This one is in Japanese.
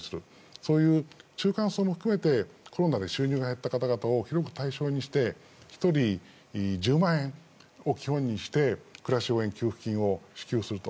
そういう中間層も含めてコロナで収入が減った方々を広く対象にして１人、１０万円を基本にして暮らし応援給付金を支給すると。